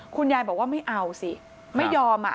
คุณยายบอกว่าไม่เอาสิไม่ยอม